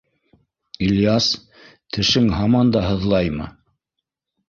— Ильяс, тешең һаман да һыҙлаймы?